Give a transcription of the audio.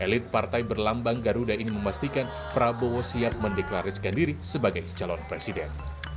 elit partai berlambang garuda ini memastikan prabowo siap mendeklarasikan diri sebagai calon presiden